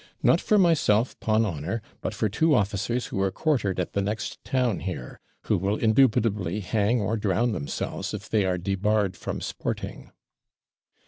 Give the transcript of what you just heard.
'Not for myself, 'pon honour, but for two officers who are quartered at the next town here, who will indubitably hang or drown themselves if they are debarred from sporting.'